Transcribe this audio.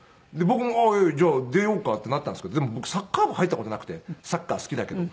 僕もじゃあ出ようかってなったんですけどでも僕サッカー部入った事なくてサッカー好きだけど。